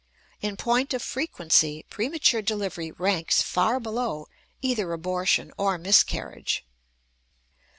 In point of frequency, premature delivery ranks far below either abortion or miscarriage.